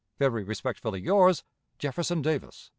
"Very respectfully yours, "Jefferson Davis."